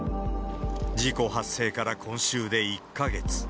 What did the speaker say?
事故発生から、今週で１か月。